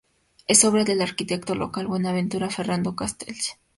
Es obra del arquitecto local Buenaventura Ferrando Castells.